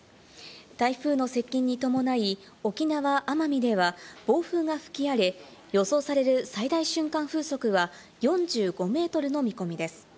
台風の接近に伴い、沖縄、奄美では暴風が吹き荒れ、予想される最大瞬間風速は、４５ｍの見込みです。